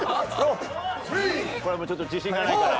これはもうちょっと自信がないから。